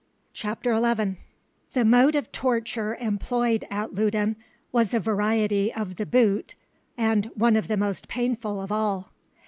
CHAPTER XI The mode of torture employed at Loudun was a variety of the boot, and one of the most painful of all.